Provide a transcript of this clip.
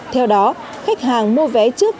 theo đó khách hàng mua vé trước